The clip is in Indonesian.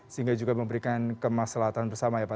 sehingga juga memberikan kemaslahatan bersama ya pak